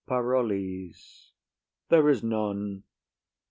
PAROLLES. There is none.